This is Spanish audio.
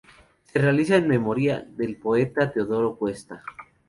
Se realiza en memoria del poeta Teodoro Cuesta.